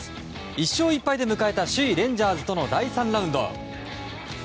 １勝１敗で迎えた首位レンジャーズとの第３ラウンド。